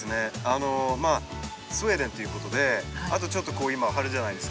あのまあスウェーデンということであとちょっと今春じゃないですか